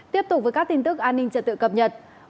tiếp tục với các tin tức an ninh trật tự cập nhật